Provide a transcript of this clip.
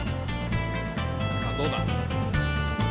さあどうだ？